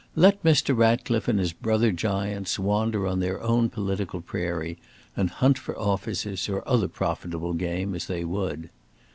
Let Mr. Ratcliffe, and his brother giants, wander on their own political prairie, and hunt for offices, or other profitable game, as they would.